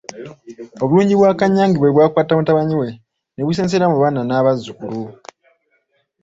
Obulungi bwa Kannyange bwe bwakwata mutabani we ne busensera mu baana n'abazzukulu.